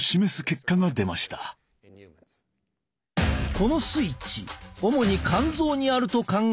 このスイッチ主に肝臓にあると考えられている。